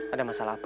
ada masalah apa